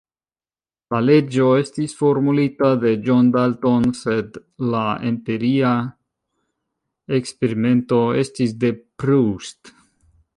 La leĝo estis formulita de John Dalton, sed la empiria eksperimento estis de Proust.